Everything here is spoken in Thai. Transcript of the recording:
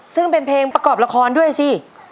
ซึ่งเป็นเพลงประกอบละครด้วยสิ